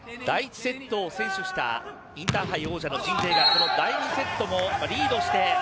第１セットを先取したインターハイ王者の鎮西が第２セットもリードして